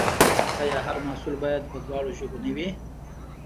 آیا هر محصول باید په دواړو ژبو نه وي؟